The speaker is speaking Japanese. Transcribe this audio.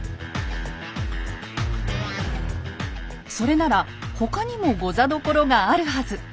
それなら他にも御座所があるはず。